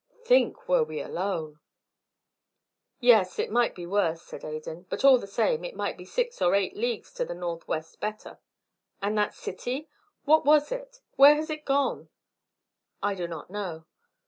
Think, were we alone!" "Yes, it might be worse," said Adan, "but all the same it might be six or eight leagues to the northwest better. And that city? What was it? Where has it gone?" "I do not know."